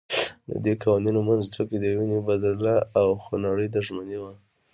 ددې قوانینو منځ ټکی د وینې بدله او خونړۍ دښمني وه.